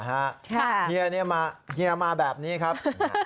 เฮียมาแบบนี้ครับ